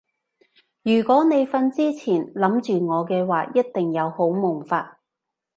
如果你瞓之前諗住我嘅話一定有好夢發